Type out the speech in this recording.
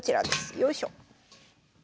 よいしょ。